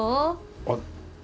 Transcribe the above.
あっ。